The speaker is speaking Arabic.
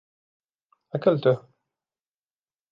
اكلته.